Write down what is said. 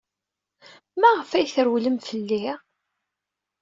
Maɣef ay terwlem fell-i?